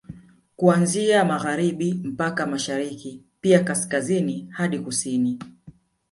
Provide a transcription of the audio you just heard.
Kuanzia Magharibi mpaka Mashariki pia Kaskazini hadi Kusini